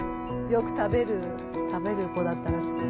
よく食べる食べる子だったらしいからね。